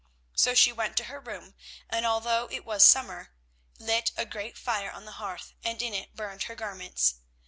So she went to her room, and although it was summer, lit a great fire on the hearth, and in it burned her garments.